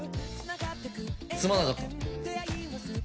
すまなかった。